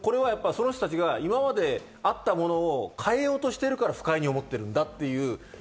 今まであったものを変えようとしているから不快に思っているんだという。